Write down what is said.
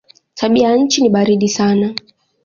Tabianchi ni baridi sana.